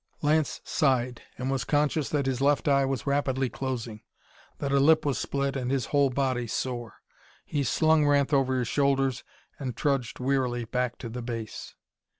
Lance sighed, and was conscious that his left eye was rapidly closing, that a lip was split and his whole body sore. He slung Ranth over his shoulders and trudged wearily back to the base.